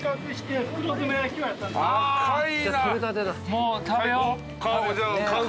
もう食べよう。